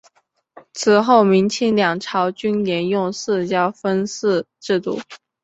此后明清两朝均沿用四郊分祀制度。